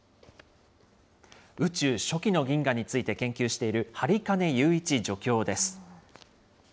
宇宙初期の銀河について研究している播金優一助教です。